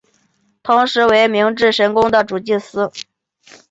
同时成为明治神宫的主祭司。